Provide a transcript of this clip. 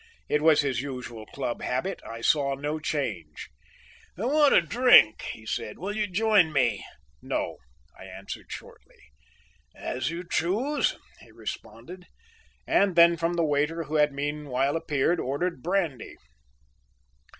It was his usual club habit. I saw no change. "I want a drink," he said. "Will you join me?" "No," I answered shortly. "As you choose," he responded, and then from the waiter, who had meanwhile appeared, ordered brandy.